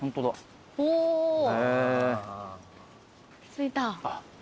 着いた。